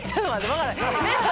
分からん。